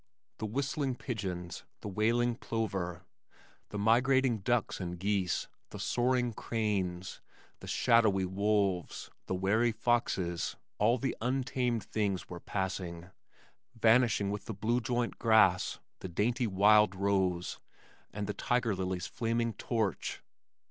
The whistling pigeons, the wailing plover, the migrating ducks and geese, the soaring cranes, the shadowy wolves, the wary foxes, all the untamed things were passing, vanishing with the blue joint grass, the dainty wild rose and the tiger lily's flaming torch.